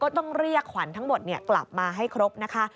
ต้องเรียกขวัญทั้งหมดกลับมาให้ครบนะคะ